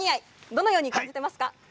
どのように感じていますか。